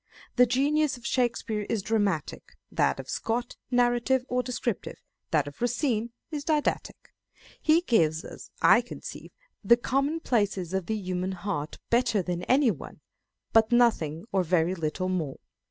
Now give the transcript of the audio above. The genius of Shakespeare is dramatic, that of Scott narrative or descriptive, that of Racine is didactic. He gives, as I conceive, the commonplaces of the human heart better than any one, but nothing or very little more.